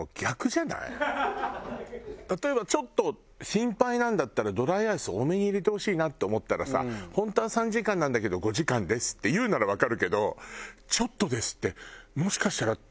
例えばちょっと心配なんだったらドライアイス多めに入れてほしいなって思ったらさ本当は３時間なんだけど「５時間です」って言うならわかるけど「ちょっとです」って。